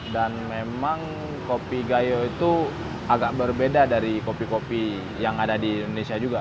dan memang kopi gayo itu agak berbeda dari kopi kopi yang ada di indonesia juga